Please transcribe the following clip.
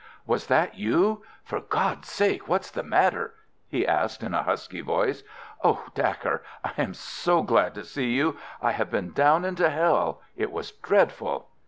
"Was that you? For God's sake what's the matter?" he asked in a husky voice. "Oh, Dacre, I am glad to see you! I have been down into hell. It was dreadful."